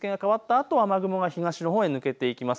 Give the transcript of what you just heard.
あと雨雲が東へ抜けていきます。